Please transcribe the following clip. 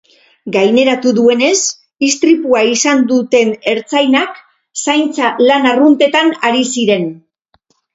Gaineratu duenez, istripua izan duten ertzainak zaintza lan arruntetan ari ziren.